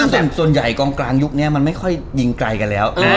แต่ส่วนใหญ่กองกลางยุคนี้มันไม่ค่อยยิงไกลกันแล้ว